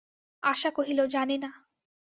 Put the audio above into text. আশা কহিল, জানি না।